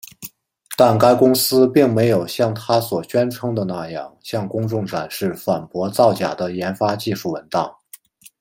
但该公司并没有像它所宣称的那样向公众展示反驳造假的研发技术文档。